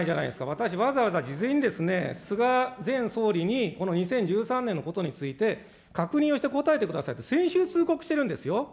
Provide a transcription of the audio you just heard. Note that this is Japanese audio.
私、わざわざ事前にですね、菅前総理にこの２０１３年のことについて、確認をして答えてくださいと、先週、通告してるんですよ。